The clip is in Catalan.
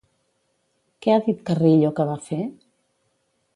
Què ha dit Carrillo que va fer?